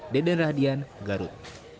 deden radian garut